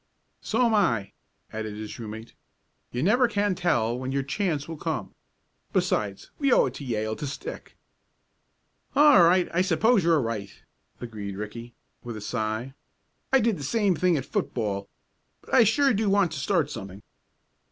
"So am I," added his room mate. "You never can tell when your chance will come. Besides, we owe it to Yale to stick." "All right I suppose you're right," agreed Ricky, with a sigh. "I did the same thing at football. But I sure do want to start something."